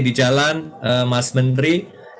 di jalan mas menteri